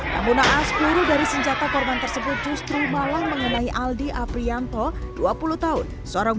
namun naas peluru dari senjata korban tersebut justru malah mengenai aldi aprianto dua puluh tahun seorang